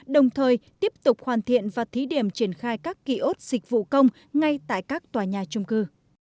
đồng thời tiếp tục hoàn thiện và thí điểm triển khai các ký ốt dịch vụ công ngay tại các tòa nhà trung cư